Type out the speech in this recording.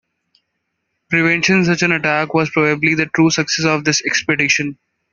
Preventing such an attack was probably the true success of this expedition.